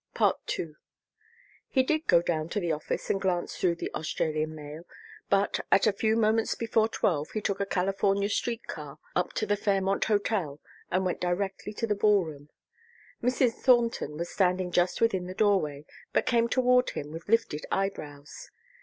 II He did go down to the office and glance through the Australian mail, but at a few moments before twelve he took a California Street car up to the Fairmont Hotel and went directly to the ballroom. Mrs. Thornton was standing just within the doorway, but came toward him with lifted eyebrows.